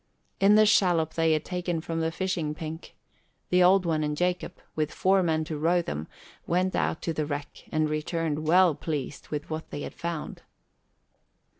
In the shallop they had taken from the fishing pink, the Old One and Jacob, with four men to row them, went out to the wreck and returned well pleased with what they had found.